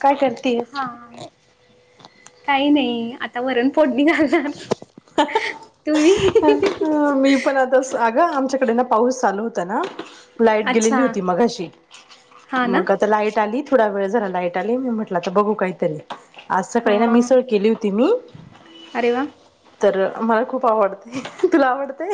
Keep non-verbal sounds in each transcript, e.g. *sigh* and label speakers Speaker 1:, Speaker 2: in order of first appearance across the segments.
Speaker 1: काय कर
Speaker 2: हा काही नाही आता वरण फोडणी घालणार, तुम्ही
Speaker 1: तस अगं आमच्याकडे ना पाऊस चालू होता ना लाईट गेलेली
Speaker 2: अच्छा
Speaker 1: होती मघाशी
Speaker 2: हा ना
Speaker 1: मग आता लाईट आली थोडा वेळ झाला लाईट आली मी म्हटलं तर बघू काहीतरी आज
Speaker 2: हा
Speaker 1: सकाळी ना मिसळ केली होती मी.
Speaker 2: अरे वा
Speaker 1: तर मला खूप आवडते, तुला आवडते?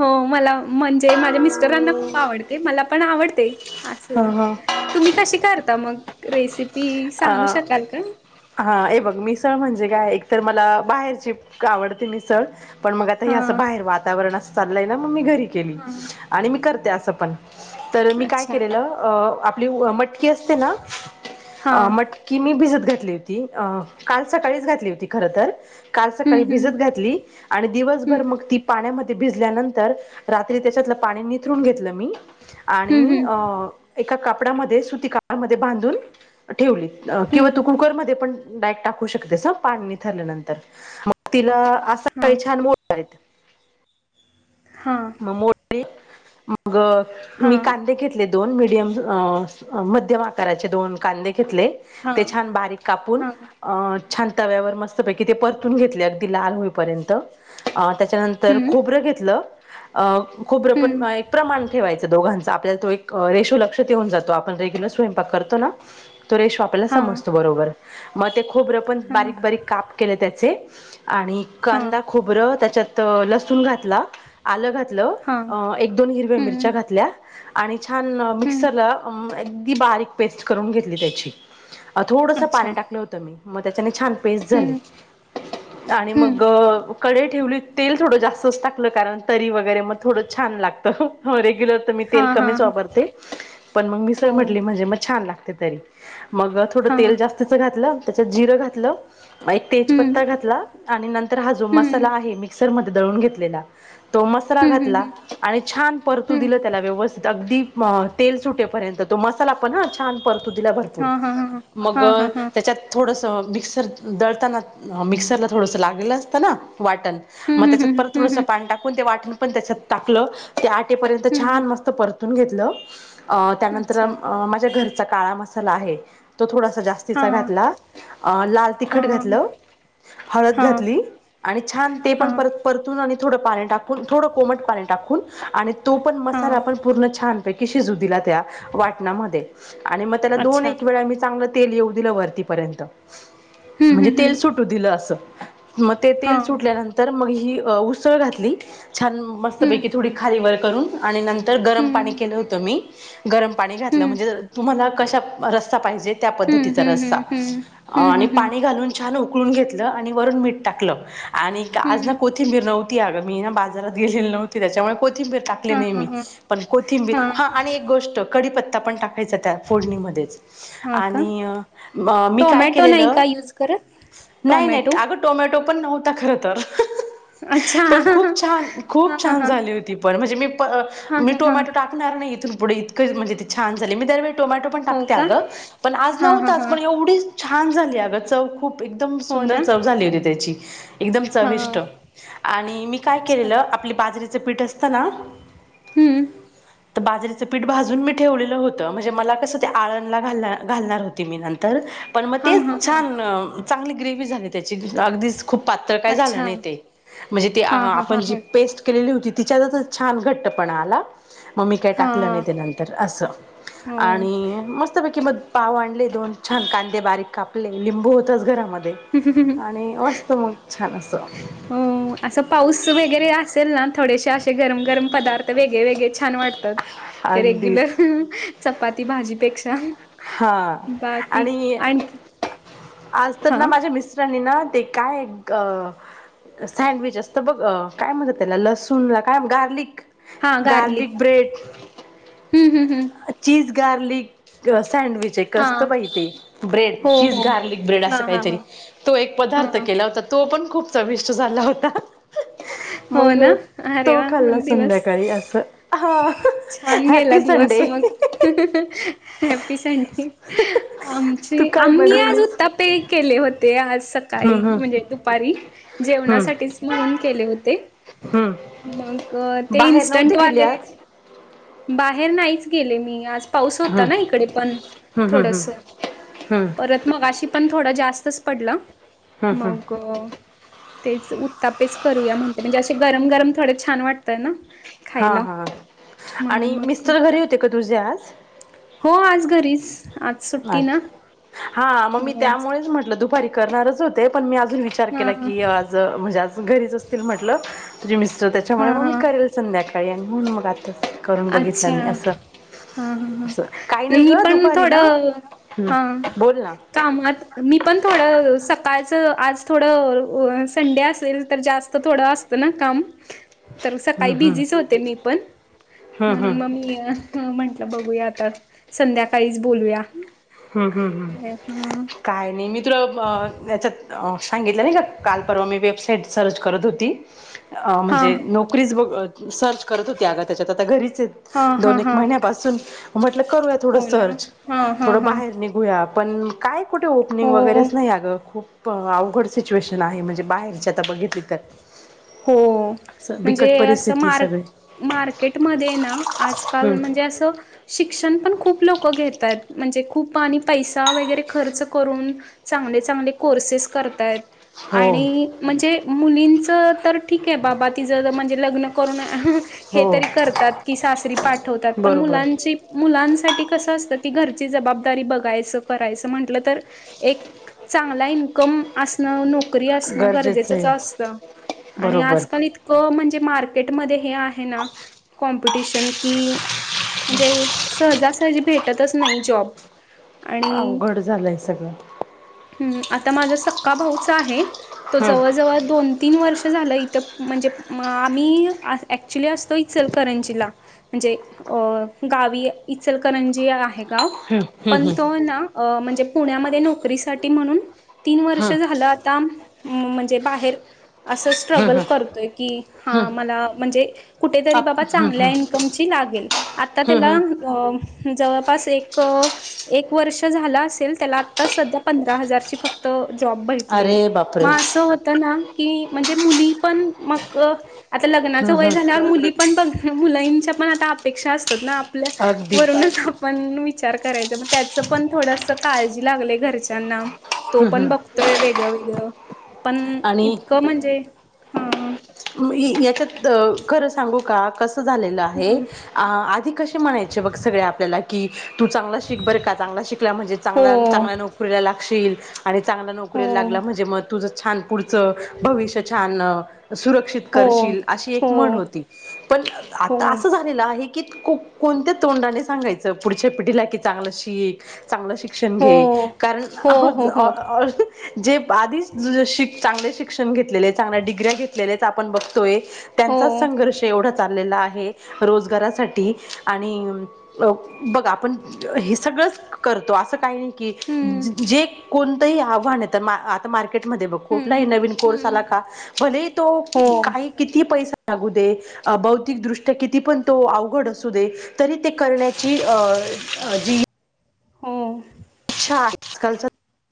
Speaker 2: हो मला म्हणजे माझ्या मिस्टरांना खूप आवडते, मला पण आवड ते अस
Speaker 1: हा हा.
Speaker 2: तुम्ही कशी करता मग रेसिपी सांगू
Speaker 1: अ
Speaker 2: शकाल का?
Speaker 1: हा ए बघ मिसळ म्हणजे काय एकतर मला बाहेरची आवडते मिसळ. पण मग आता हे
Speaker 2: हा
Speaker 1: असं बाहेर वातावरण असं चाललंय ना मग मी घरी केली
Speaker 2: हा
Speaker 1: आणि मी करते असं पण तर मी काय
Speaker 2: अच्छा
Speaker 1: केलेलं आपली मटकी असते ना
Speaker 2: हा
Speaker 1: मटकी मी भिजत घातली होती काल सकाळीच घातली होती खर तर. काल
Speaker 2: हम्म
Speaker 1: सकाळी भिजत
Speaker 2: हम्म
Speaker 1: घातली आणि दिवसभर मग
Speaker 2: हम्म
Speaker 1: ती पाण्यामध्ये भिजल्यानंतर रात्री त्याच्यातलं पाणी निथरून घेतलं मी. आणि
Speaker 2: हम्म हम्म
Speaker 1: एका कापडामध्ये सुती कापडामध्ये बांधून ठेवली किंवा तु
Speaker 2: हम्म
Speaker 1: कुकरमध्ये पण डायरेक्ट टाकू शकतेस पाणी नितळल्यानंतर मग तिला आज
Speaker 2: हा
Speaker 1: सकाळी छान मोड आले.
Speaker 2: हा
Speaker 1: मोठे मग
Speaker 2: हा
Speaker 1: मी कांदे घेत दोन मिडीयम मध्यम आकारचे दोन कांदे घेतले.
Speaker 2: हा
Speaker 1: ते छान बारीक कापून
Speaker 2: हा
Speaker 1: अ छान ताव्यावर मस्तपैकी ते परतून घेतले अगदी लाल होईपर्यंत त्याच्यानंतर
Speaker 2: हम्म
Speaker 1: खोबरं घेतलं खोबरं पण
Speaker 2: हम्म
Speaker 1: एक प्रमाण ठेवायच. दोघांच आपल्याला तो एक रेशिओ लक्षातऊन जातो आपण रेग्युलर स्वयंपाक करतो ना तो रेशिओ
Speaker 2: हा
Speaker 1: समजतो मग ते खोबर पण
Speaker 2: हा
Speaker 1: बारीक बारीक काप केले त्याचे आणि..
Speaker 2: हा
Speaker 1: कांदा खोबरं त्याच्यात लसूण घातला आलं घातलं.
Speaker 2: हां
Speaker 1: एक दोन हिरव्या मिरच्या
Speaker 2: हं
Speaker 1: घातल्या आणि छान
Speaker 2: हं
Speaker 1: मिक्सरला अगदी बारीक. पेस्ट करून घेतली त्याची थोडस
Speaker 2: अच्छा
Speaker 1: पाणी टाकलं होत मी त्यामध्ये छान.. झाले
Speaker 2: हं
Speaker 1: आणि
Speaker 2: हं
Speaker 1: मग. कढई ठेवली तेल थोडं जास्तच टाकलं कारण तरी वगैरे मग थोडं छान लागतं रेग्युलर. मी तेल
Speaker 2: हां हां
Speaker 1: कमीच
Speaker 2: हां
Speaker 1: वापरते पण मग मिसळ
Speaker 2: हो
Speaker 1: म्हटली की म्हणजे मग छान लागतय. थोडं
Speaker 2: हां
Speaker 1: तेल जास्तीच घातलं त्याच्यात जिरं घातलं. एक
Speaker 2: हं
Speaker 1: तेजपत्ता घातला आणि नंतर हा जो
Speaker 2: हं
Speaker 1: मसाला आहे मिक्सर मध्ये दळून घेतलेला. तो मसरा
Speaker 2: हं
Speaker 1: घातला.
Speaker 2: हं हं
Speaker 1: आणि छान परतू
Speaker 2: हं
Speaker 1: दिलं त्याला व्यवस्थित अगदी तेल सुटेपर्यंत तो मसाला पण ह छान. परतू दिला भरपूर
Speaker 2: हां हां हां
Speaker 1: मग
Speaker 2: हां हां हां
Speaker 1: त्याच्यात. थोडंसं मिक्सर दळताना मिक्सरला थोडंसं लागलं असतं ना वाटण.
Speaker 2: हं
Speaker 1: मग
Speaker 2: हं
Speaker 1: त्याच्यात
Speaker 2: हं
Speaker 1: परत
Speaker 2: हं
Speaker 1: थोडस
Speaker 2: हं
Speaker 1: पाणी टाकून ते वाटण पण त्याच्यात टाकलं ते. पर्यंत
Speaker 2: हं
Speaker 1: छान
Speaker 2: हं
Speaker 1: मस्त परतून घेतलं त्यानंतर
Speaker 2: अच्छा
Speaker 1: माझ्या घरचा काळा म तो थोडासा जास्तीचा
Speaker 2: हां
Speaker 1: घातला लाल तिखट
Speaker 2: हां
Speaker 1: घातलं. हळद
Speaker 2: हां
Speaker 1: घातली आणि छान ते पण
Speaker 2: हां
Speaker 1: परत. परतून आणि थोडं पाणी टाकून थोडं कोमट पाणी टाकून आणि तो पण
Speaker 2: हां
Speaker 1: मसाला आपण. पूर्ण छानपैकी शिजू दिला त्या वाटणामध्ये आणि मग त्याला दोन
Speaker 2: अच्छा
Speaker 1: एक वेळा मी चांग. तेल येऊ दिलं वरतीपर्यंत
Speaker 2: हं
Speaker 1: म्हणजे
Speaker 2: हं हं
Speaker 1: तेल सुटू दिलं अस मग ते तेल
Speaker 2: हां
Speaker 1: सुटल्यानंतर मग ही उसळ घातली छान
Speaker 2: हं
Speaker 1: मस्तपैकी थोडी. खाली वर करून आणि नंतर गरम
Speaker 2: हं
Speaker 1: पाणी केलं होत मी. गरम पाणी
Speaker 2: हं
Speaker 1: घातलं
Speaker 2: हं
Speaker 1: म्हणजे तुम्हाला कशा रस्ता पाहिजेत. त्या
Speaker 2: हं हं
Speaker 1: पद्धतीचा रस्सा
Speaker 2: हं हं
Speaker 1: आणि
Speaker 2: हं हं
Speaker 1: पाणी घालून. छान उकळुन घेतलं आणि वरून मीठ टाकलं आणि आज ना
Speaker 2: हं
Speaker 1: कोथीबीर नव्हती अगं. मी ना बाजारात गेलेली नव्हती त्याच्यामुळे कोथिंबीर टाकली
Speaker 2: हां
Speaker 1: नाही
Speaker 2: हां
Speaker 1: मी पण कोथिंबीर
Speaker 2: हां हां
Speaker 1: हा. आणि एक गोष्ट कडीपत्ता पण टाकत. ह्याचात त्या फोडणीमध्येच
Speaker 2: हां का
Speaker 1: आणि मी काय
Speaker 2: टोमॅटो नाही
Speaker 1: केलेलं.
Speaker 2: का यूज करत
Speaker 1: नाही नाही
Speaker 2: टोमॅटो
Speaker 1: अगं टोमॅटो पण नव्हता खर तर.
Speaker 2: अच्छा
Speaker 1: पण खूप छान
Speaker 2: हा
Speaker 1: खूप
Speaker 2: हा
Speaker 1: छान
Speaker 2: हा
Speaker 1: झाली होती पण म्हणजे मी
Speaker 2: हा
Speaker 1: मी
Speaker 2: हा हा
Speaker 1: टोमॅटो टाक- -णार नाही इथून पुढे इतकं म्हणजे छान झाली मी दर टोमॅटो पण
Speaker 2: हो
Speaker 1: टाकते अ
Speaker 2: का
Speaker 1: ग पण आज
Speaker 2: हा हा
Speaker 1: नव्हताच
Speaker 2: हा
Speaker 1: पण एवढी छान झाली अ ग चव खूप. एकदम
Speaker 2: हो
Speaker 1: सुंदर
Speaker 2: ना
Speaker 1: चव झाली होती त्याची एकदम
Speaker 2: हा
Speaker 1: चविष्ट आणि मी काय
Speaker 2: अच्छा
Speaker 1: केलेलं आपलं बाजरीचं पीठ असतं ना.
Speaker 2: हम्म
Speaker 1: तर बाजरीचं पीठ भाजून मी ठेवलेलं होतं म्हणजे मला कसं ते आळणला घाल घालणार होती मी नंतर. पण मग
Speaker 2: हा हा
Speaker 1: तेच
Speaker 2: हा
Speaker 1: छान चांगली ग्रेवी झाली त्याची अगदीच खूप पातळ काय
Speaker 2: अच्छा
Speaker 1: झालं नाही ते. म्हणजे ती
Speaker 2: हा हा हा
Speaker 1: आपण जी
Speaker 2: हा
Speaker 1: पेस्ट केलेली होती तिच्यात छान घट्टपणा आला. मग मी काय
Speaker 2: हा
Speaker 1: टाकलं नाही ते नंतर असं
Speaker 2: हो
Speaker 1: आणि मस्तपैकी मग. पाव आणले दोन छान कांदे बारीक कापले लिंबू होतच घरामध्ये. आणि मस्त मग छान असं.
Speaker 2: हो असं पाऊस वगैरे असेल ना. थोडेसे असे गरम गरम पदार्थ वेगळे वेगळे छान वाटतात. ते रेग्युलर.
Speaker 1: अगदीच
Speaker 2: चपाती भाजीपेक्षा.
Speaker 1: हा
Speaker 2: बाकी
Speaker 1: आणि
Speaker 2: आणखी
Speaker 1: आज तर ना
Speaker 2: हा
Speaker 1: माझ्या मिस्ट - चंनी ना ते काय अ गं. सँडविच असतं बघ अ काय म्हणतात त्याला, लसूण ला काय गार्लिक.
Speaker 2: हा गार्लिक हूं हूं!
Speaker 1: Cheese garlic. सँडविच एक
Speaker 2: हा
Speaker 1: असत बाई ते ब्रेड
Speaker 2: हो
Speaker 1: चीज
Speaker 2: हो
Speaker 1: गार्लिक ब्रेड
Speaker 2: हा
Speaker 1: असं
Speaker 2: हा हा
Speaker 1: काहीतरी. तो एक पदार्थ
Speaker 2: हा
Speaker 1: केला होता. तो पण खूप चविष्ट झाला होता.
Speaker 2: हो
Speaker 1: मग
Speaker 2: ना अरे
Speaker 1: तो
Speaker 2: वा
Speaker 1: खाल्ला
Speaker 2: मग दिवस
Speaker 1: संध्याकाळी अस हा
Speaker 2: छान गेला
Speaker 1: हॅपी
Speaker 2: दिवस
Speaker 1: संडे.
Speaker 2: हॅपी संडे
Speaker 1: तू
Speaker 2: आमची,
Speaker 1: काय
Speaker 2: आम्ही आज
Speaker 1: बनवलीस
Speaker 2: उत्त पें केले होते आज सकाळी
Speaker 1: हम्म हम्म
Speaker 2: म्हणजे दुपारी, जेवणासाठीच म्हणून केले हो ते
Speaker 1: हम्म हम्म
Speaker 2: मग ते
Speaker 1: बाहेर नव्हती गेली
Speaker 2: इन्स्टंटवाले
Speaker 1: आज
Speaker 2: बाहेर नाहीच गेले मी आज. पाऊस होता
Speaker 1: हम्म
Speaker 2: ना इकडे पण
Speaker 1: हम्म हम्म हम्म
Speaker 2: थोडस
Speaker 1: हम्म,
Speaker 2: परत मगाशी पण थोडां जास्तच पडलं
Speaker 1: हम्म, हम्म.
Speaker 2: मग? तेच उत्तापेच करूया म्हणत म्हणजे असे गरम, गरम थोडे छान वाटतय ना?
Speaker 1: हा
Speaker 2: खायला
Speaker 1: हा
Speaker 2: म्हणून
Speaker 1: आणि
Speaker 2: मग
Speaker 1: मिस्टर घरी होते
Speaker 2: उत्तापे
Speaker 1: का तुझे आज?
Speaker 2: हो आज घरीच. आज सुट्टी ना
Speaker 1: अछा हा म मी त्यामुळच म्हटलं दुपारी करणारच होते पण मी अजून विचार केला
Speaker 2: हा
Speaker 1: की आज म्हणजे आज घरीच असतील म्हंटलं. तुझे मिस्टर त्याच्यामुळे
Speaker 2: हा
Speaker 1: मग मी
Speaker 2: हा
Speaker 1: करेल संध्याकाळी आणि म्हणून मग आता
Speaker 2: अच्छा हा ह
Speaker 1: असं काही
Speaker 2: ह
Speaker 1: नाही
Speaker 2: मी
Speaker 1: ग
Speaker 2: पण
Speaker 1: दुपारी ना
Speaker 2: थोडं
Speaker 1: हम्म
Speaker 2: हा!
Speaker 1: बोल ना
Speaker 2: कामात मी पण थोडं अ सकाळचं आज थोडं अ संडे असेल तर जास त थोड असत ना काम?
Speaker 1: *inaudible*
Speaker 2: तर सकाळी
Speaker 1: हम्म हम्म
Speaker 2: बिझीच होते मी पण.
Speaker 1: हम्म हम्म
Speaker 2: म्हणून
Speaker 1: हम्म
Speaker 2: म मी अ म्हंटलं बघूया आता संध्याकाळीच बोलूया.
Speaker 1: हूं हूं हूं!
Speaker 2: हा
Speaker 1: काय नही मी तुंला मं अ याच्यात अ सांगितलं नाही का काल परवा मी वेबसाईट सर्च करत होती. अ
Speaker 2: हा
Speaker 1: म्हणजे नोकरीचं बं सर्च करत होती आगं त्याच्यात आता घरीच हेत.
Speaker 2: हा हा
Speaker 1: दोन एक
Speaker 2: हा
Speaker 1: महिन्यापासून म्हटलं करूया थोडं
Speaker 2: हो ना
Speaker 1: सर्च.
Speaker 2: हा हा
Speaker 1: थोडं
Speaker 2: हा
Speaker 1: बाहेर निघूया, पण काय कुठे ओपनिंग
Speaker 2: हो
Speaker 1: वगैरेच नाही अगं खूप प अवघड सिच्युएशन आहे, म्हणजे बाहेरची आता बघितली तर.
Speaker 2: हो! म्हणजे
Speaker 1: बिकट
Speaker 2: असं
Speaker 1: परिस्थिती
Speaker 2: मार
Speaker 1: सगळी
Speaker 2: मार्केटमध्येये ना आजकाल
Speaker 1: हम्म
Speaker 2: म्हणजे असं शिक्षण पण खूप लोकं घेतायेत, म्हणजे खूप आणि पैसा वगैरे खर्च करून. चांगले, चांगले कोर्सेस करताय
Speaker 1: हो
Speaker 2: आणि म्हणजे मुलींच तर ठीक हे बाबा तिचं म्हणजे लग्न करून हे
Speaker 1: हो
Speaker 2: तरी करतात की सासरी पाठवतात पण
Speaker 1: बरोबर
Speaker 2: मुलांची मुलांसाठी कसं असतं की घरची जबाबदारी बघायचं करायचं म्हंटलं तर एक चांगला इन्कम असणं, नोकरी असणं
Speaker 1: गरजेचं
Speaker 2: गरजेचंच
Speaker 1: आहे
Speaker 2: असतं. आणि
Speaker 1: बरोबर
Speaker 2: आजकाल इतकं म्हणजे मार्क केट म हे आहे ना कॉम्पिटिशन, कि म्हणजे सहजासहजी भेटतच नाही जॉब.
Speaker 1: अवघड झालंय सगळं.
Speaker 2: हूं आता माझा सक्का भाऊच आहे तो
Speaker 1: हम्म
Speaker 2: जवळ, जवळ दोन तीन वर्ष झालं इथ म्हणजे आम्हीं ऍक्च्युली असतो इ चल करंजीला म्हणजे गांवी इचलकरंजी आहे गावं पणं तो ना म्हणजे पुण्यांमध्ये नोकरीसाठी म्हणूंन तीनं वर्ष
Speaker 1: हम्म
Speaker 2: झालं आतां म्हणजे बाहेर असं स्ट्रगल करतोय की हां मलां म्हणजे कुठेतरी
Speaker 1: आप
Speaker 2: बाबां चांगल्यां इन्कमची लागेल आतां
Speaker 1: हम्म
Speaker 2: त्यांला
Speaker 1: हम्म
Speaker 2: अ जवळं पास एक एक वर्ष झाला असेल त्यांला आतां संध्या पंधरा हजारची फक्तं अं जॉब
Speaker 1: अरे
Speaker 2: भेटली
Speaker 1: बापरे
Speaker 2: मंग असं होतं नां कि म्हणजे मुली पणं मंग आतां लग्नांच
Speaker 1: हम्म
Speaker 2: वयं
Speaker 1: हम्म
Speaker 2: झाल्यांवर मुली पणं मुलांच्या पणं आतां अपेक्षा असतांत नां आपल्यां
Speaker 1: अगदी
Speaker 2: वरूंनच पणं विचार करायचां त्यांचं पणं थोडं काळजी लागली घरच्यांना तो पणं ब तो वेगळं वेगळं पणं इतकं म्हणजे हां
Speaker 1: मी यांच्यात खरं सांगू कां कसं झालेलं आहे आधी कसे म्हणांयचे बघं सगळें आपल्यांला की तू चांगला शिक बरं कां चांगला शिकला म्हणजे चांगला
Speaker 2: हो
Speaker 1: चांगल्या नोकरीला लागशील आणि मंग चांगल्या नोकरीला लागला
Speaker 2: हो
Speaker 1: की म्हणजे मंग तुझं छान पुढचं भविष्य छान सुरक्षित
Speaker 2: हो
Speaker 1: करशील अशी एक म्हंण
Speaker 2: हो
Speaker 1: होती पणं
Speaker 2: हो
Speaker 1: आता
Speaker 2: हो
Speaker 1: असं झालेलं आहे की कोणत्यां तोंडाने सांगायचं पुढच्यां पिढीला कि चांगलं शिक चांगलं शिक्षणं घे
Speaker 2: हो
Speaker 1: कारणं
Speaker 2: हो हो
Speaker 1: ऑल जे आधीच चांगले शिक्षणं घेतलेले चांगल्या डिग्र्या घेतलेल्यां आपणं बघतोय
Speaker 2: हो
Speaker 1: त्यांचाच संघर्ष एवढां चाललेला आहे रोजगांरासाठी आणि अ बघां आपणं हे सगळंच करतों असं कांहीं नाहीं कि
Speaker 2: हम्म
Speaker 1: जे कोणतंही आव्हानं येतं ते मार्केटमंध्ये बघं कुंठला
Speaker 2: हम्म
Speaker 1: नवीन कोर्स
Speaker 2: हम्म
Speaker 1: आला कां भले तो
Speaker 2: हो
Speaker 1: कांहीं किती पैसा लागूं दे भौतिकदृष्ट्या किती पणं तो अवघड अंसू दे तरी ते करण्यांची अ
Speaker 2: हो
Speaker 1: हां कालचं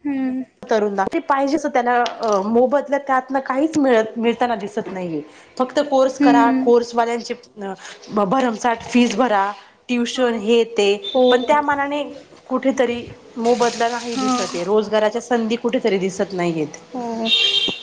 Speaker 2: हम्मं
Speaker 1: करुंन पाहिजे त्यांला मोबदल्यां त्यांतून काहींचं मिळतं मिळतांना दिसतं नाहीं फक्तं कोर्स करां
Speaker 2: हम्म
Speaker 1: कोर्सवाल्यांचे भ्रमर साठ फीस भरां
Speaker 2: हो
Speaker 1: ट्युशनं हे येते पणं त्यां
Speaker 2: हो
Speaker 1: मानाने कुठेतरी मोबदला नाहीं दिसतं
Speaker 2: हां
Speaker 1: आहे रोजगारांच्या संधी कुठेतरी दिसतं नाहीयेतं
Speaker 2: हो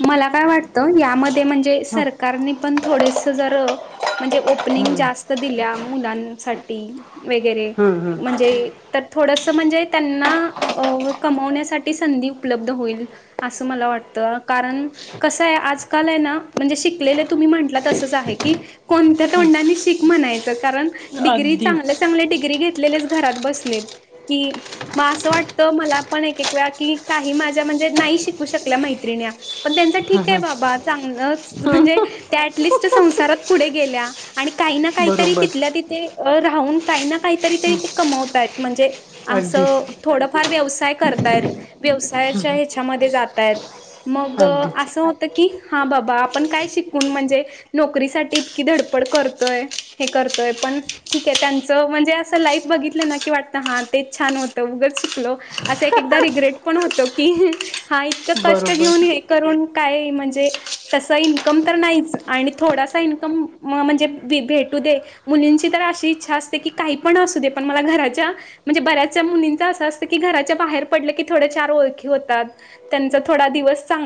Speaker 2: मलां कायं वाटतं यांमध्ये म्हणजे
Speaker 1: हम्म
Speaker 2: सरकारनी पणं थोडंसं जरं म्हणजे ओपनिंग
Speaker 1: हम्म
Speaker 2: जास्तं दिल्यां मुलांसाठी वेगैरें
Speaker 1: हम्म हम्म.
Speaker 2: म्हणजे तरं थोडंसं म्हणजे त्यांनां कमवण्यांसाठी संधी उपलब्ध होईल. असं मलां वाटतं कारणं कसं आहे आंज कालांय नां म्हणजे शिकलेले तुम्हीं म्हंटला तसंच आहे की कोणत्यां तोंडानी शीक म्हणायचं कारणं डिग्री चांगल्या
Speaker 1: अगदीच
Speaker 2: चांगल्या डिग्री घेतलेल्यांच- घरांत बसलेतं. कि मंग असं वाटतं मलां पणं एक एक वेळां कि कांहीं माझ्यां म्हणजे नाहीं शिक- शू शकल्यां मैत्रिण्या पणं त्यांच
Speaker 1: हम्म
Speaker 2: ठीक आहे बाबां चांगलंच म्हणजे त्यां ऍटलिस्ट संसारात पुढे गेल्या आणि कांहीं नां
Speaker 1: हम्म
Speaker 2: कांहीतरी
Speaker 1: बरोबर
Speaker 2: तिथल्यां तिथे- अ राहूंन कांहीं नां काहीतरी तरी
Speaker 1: हम्म
Speaker 2: ते कमवताय म्हणजे असं
Speaker 1: अगदीच
Speaker 2: थोडंफार व्यवसाय करतायत. व्यवसायाच्या ह्याच्यामध्ये जातय मग
Speaker 1: अगदीच
Speaker 2: असं होत- कि हा बाबा आपण काय शिकून म्हणजे नोकरीसाठी इतकी धडपड करतोय. हे करतोय पण ठीक आहे त्यांचं म्हणजे असं लाईफ बघितलं ना की वाटतं हा तेच छान होतं उगच शिकलो. असं एक एकदा रिग्रेट पण होतो की हा इतकं कष्ट
Speaker 1: बरोबर.
Speaker 2: घेऊन ये- करून काय म्हणजे तसं इन्कम तर नाहीच आणि थोडासा इन्कम म्हणजे भेटू दे. मुलींची तर अशी इच्छा असते की काही पण असू दे पण मला घराच्या- म्हणजे बऱ्याचश मुलींच असं असतं की घराच्या बाहेर पडलं की थोड्या चार ओळखी होतात. त्यांचा थोडा दिवस चांगला-